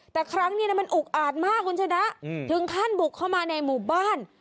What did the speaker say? แต่ครั้งนี้มันอุกอาดมากคุณชนะถึงขั้นบุกเข้ามาในหมู่บ้าน